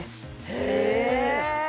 へえ